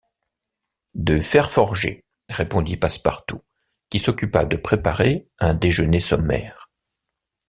De fer forgé », répondit Passepartout, qui s’occupa de préparer un déjeuner sommaire.